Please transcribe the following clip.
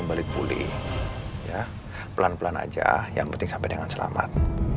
maaf ya pak randy saya telepon terbit herbat